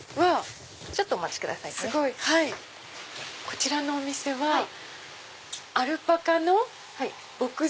こちらのお店はアルパカの牧場。